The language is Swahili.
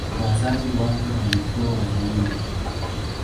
Wazazi wake walikuwa Wayahudi.